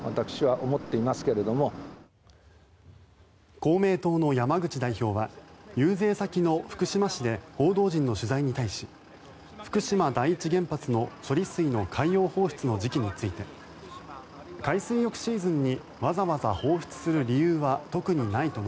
公明党の山口代表は遊説先の福島市で報道陣の取材に対し福島第一原発の処理水の海洋放出の時期について海水浴シーズンに